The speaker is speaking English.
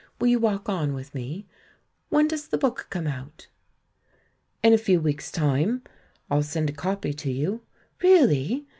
"Will you walk on with me? When does the book come out?" "In a few weeks' time — I'll send a copy to you." "Really?